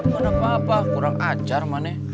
kenapa apa kurang ajar manek